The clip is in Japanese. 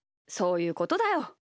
そういうことだよ。